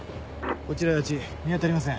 こちら足達見当たりません。